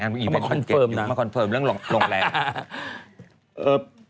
นางมาคอนเฟิร์มด้านหลวงแรง